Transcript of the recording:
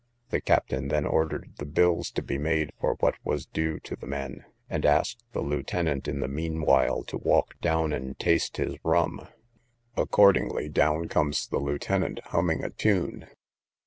The captain then ordered the bills to be made for what was due to the men, and asked the lieutenant in the mean while to walk down and taste his rum. Accordingly down comes the lieutenant, humming a tune.